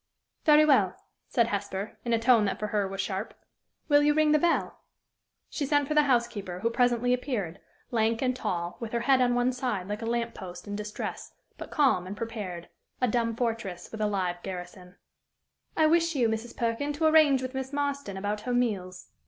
"Very well," said Hesper, in a tone that for her was sharp. "Will you ring the bell?" She sent for the housekeeper, who presently appeared lank and tall, with her head on one side like a lamp post in distress, but calm and prepared a dumb fortress, with a live garrison. "I wish you, Mrs. Perkin, to arrange with Miss Marston about her meals."